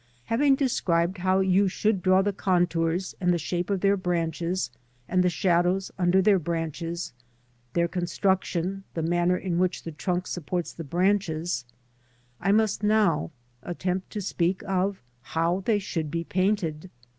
Having described how you should draw the contours, and the shape of their branches, and the shadows under their branches ; their construction, the manner in which the trunk supports the branches, I must now attempt to speak of how they should be \/ painted.